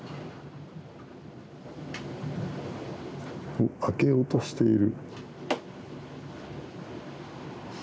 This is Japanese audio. おっ開けようとしている。